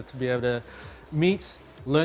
untuk bisa bertemu belajar